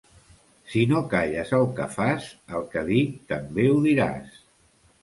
Si no calles el que fas, el que dic també ho diràs.